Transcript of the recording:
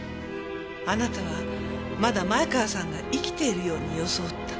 あなたはまだ前川さんが生きているように装った。